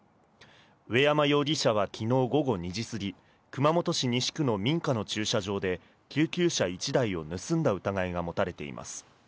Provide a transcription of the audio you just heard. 上山容疑者はきのう午後２時過ぎ、熊本市西区の民家の駐車場で、救急車１台を盗んだ疑いが持たれています。